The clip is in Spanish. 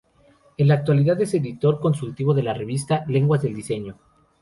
En la actualidad, es editor consultivo de la revista, Lenguas del Diseño.